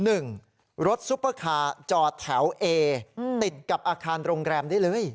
รถซุปเปอร์คาร์จอดแถวเอติดกับอาคารโรงแรมได้เลย